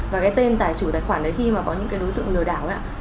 và cái tên tài chủ tài khoản đấy khi mà có những cái đối tượng lừa đảo ạ